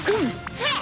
それ！